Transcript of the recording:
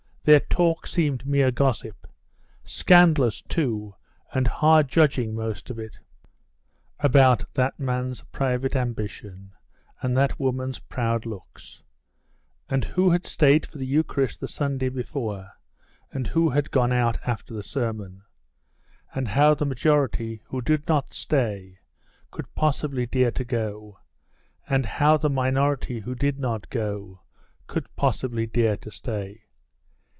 Their talk seemed mere gossip scandalous too, and hard judging, most of it; about that man's private ambition, and that woman's proud looks; and who had stayed for the Eucharist the Sun day before, and who had gone out after the sermon; and how the majority who did not stay could possibly dare to go, and how the minority who did not go could possibly dare to stay....